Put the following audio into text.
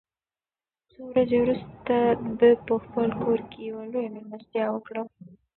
څو ورځې وروسته ده په خپل کور کې یوه لویه مېلمستیا وکړه.